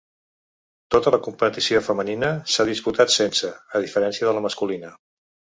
Tota la competició femenina s’ha disputat sense, a diferència de la masculina.